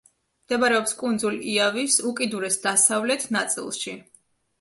მდებარეობს კუნძულ იავის უკიდურეს დასავლეთ ნაწილში.